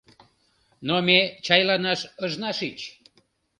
Но ме чайланаш ыжна шич.